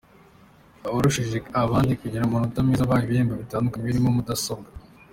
Abarushije abandi kugira amanota meza bahawe ibihembo bitandukanye birimo mudasombwa.